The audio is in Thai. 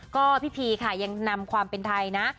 ก็พี่พีค่ะยังนำความเป็นไทยนะ